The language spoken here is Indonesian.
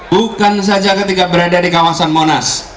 bukan saja ketika berada di kawasan monas